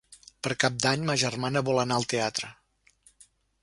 Per Cap d'Any ma germana vol anar al teatre.